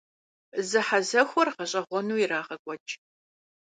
Зэхьэзэхуэр гъэщӀэгъуэну ирагъэкӀуэкӀ.